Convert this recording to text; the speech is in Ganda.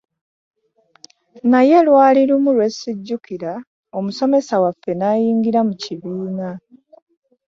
Naye lwali lumu lwe sijjukira, omusomesa waffe n’ayingira mu kibiina.